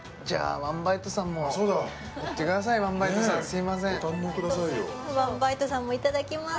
ワンバイトさんもいただきます